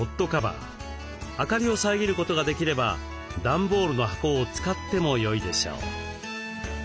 明かりを遮ることができれば段ボールの箱を使ってもよいでしょう。